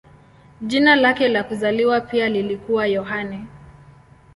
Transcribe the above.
Jina lake la kuzaliwa pia lilikuwa Yohane.